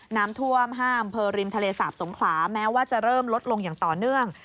น้ำท่วม๕อำเภอริมทะเลสาบสงขลาแม้ว่าจะเริ่มลดลงอย่างต่อเนื่อง